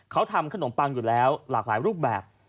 เขาทำขนมปังอยู่แล้วหลากหลายรูปแบบ